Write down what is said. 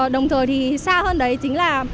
đồng thời thì xa hơn đấy chính là